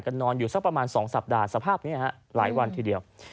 นอนอยู่สักประมาณ๒สัปดาห์สภาพนี้หลายวันทีเดียว